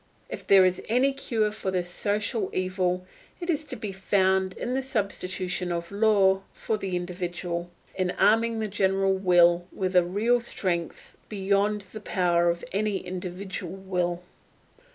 If there is any cure for this social evil, it is to be found in the substitution of law for the individual; in arming the general will with a real strength beyond the power of any individual will.